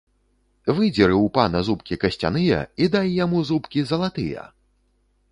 Выдзеры ў пана зубкі касцяныя і дай яму зубкі залатыя!